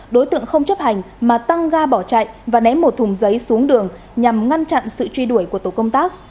đối tượng không chấp hành mà tăng ga bỏ chạy và ném một thùng giấy xuống đường nhằm ngăn chặn sự truy đuổi của tổ công tác